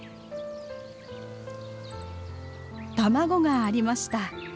卵がありました。